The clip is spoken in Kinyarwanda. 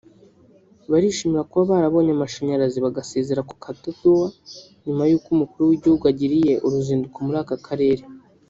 barishimira kuba barabonye amashanyarazi bagasezera ku itadowa nyuma y’uko Umukuru w’Igihugu agiriye uruzinduko muri aka karere